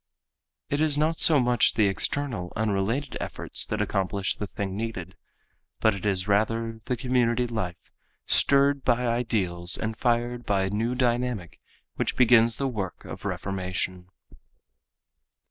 It is not so much the external unrelated efforts that accomplish the thing needed, but it is rather the community life stirred by ideals and fired by a new dynamic which begins the work of reformation.